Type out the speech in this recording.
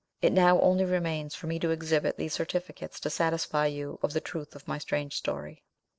It now only remains for me to exhibit these certificates to satisfy you of the truth of my strange story."